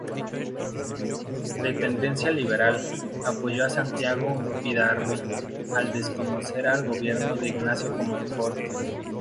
De tendencia liberal, apoyó a Santiago Vidaurri al desconocer al gobierno de Ignacio Comonfort.